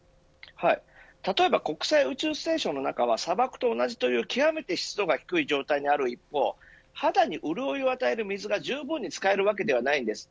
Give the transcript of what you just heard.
例えば国際宇宙ステーションの中は砂漠とほぼ同じて極めて湿度が低い状態にある一方肌に潤いを与える水がじゅうぶんに使えるわけではないんです。